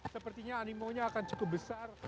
sepertinya animonya akan cukup besar